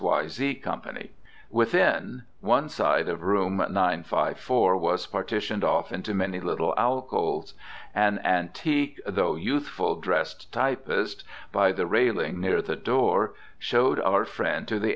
Y. Z. Co. Within, one side of Room 954 was partitioned off into many little alcoves. An antique, though youthfully dressed, typist, by the railing near the door, showed our friend to the X.